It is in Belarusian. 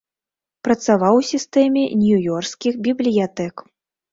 Працаваў у сістэме нью-ёркскіх бібліятэк.